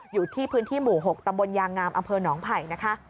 อยู่ที่พื้นที่หมู่๖ตำบลยางงามอำเภอหนองไผ่นะคะ